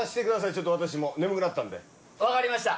ちょっと私も眠くなったんで分かりました